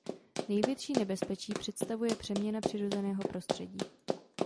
Největší nebezpečí představuje přeměna přirozeného prostředí.